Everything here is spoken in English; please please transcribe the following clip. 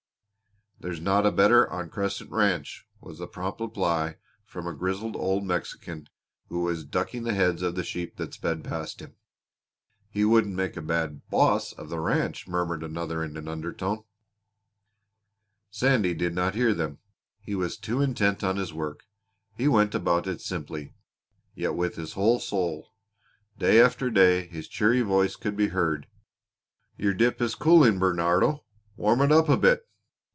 "There's not a better on Crescent Ranch!" was the prompt reply from a grizzled old Mexican who was ducking the heads of the herd that sped past him. "He wouldn't make a bad boss of the ranch," murmured another in an undertone. [Illustration: "HE WOULDN'T MAKE A BAD BOSS"] Sandy did not hear them. He was too intent on his work. He went about it simply, yet with his whole soul. Day after day his cheery voice could be heard: "Your dip is cooling, Bernardo! Warm it up a bit.